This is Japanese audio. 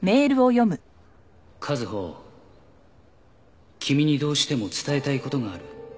「和穂君にどうしても伝えたいことがある」